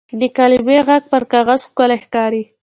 د قلمي ږغ پر کاغذ ښکلی ښکاري.